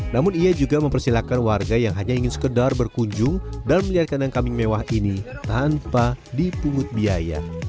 namun ia juga mempersilahkan warga yang hanya ingin sekedar berkunjung dan melihat kandang kambing mewah ini tanpa dipungut biaya